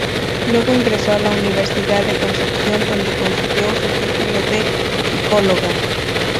Luego ingresó a la Universidad de Concepción, donde consiguió su título de psicóloga.